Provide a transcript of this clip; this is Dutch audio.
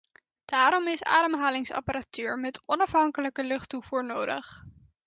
Daarom is ademhalingsapparatuur met onafhankelijke luchttoevoer nodig.